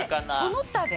その他で。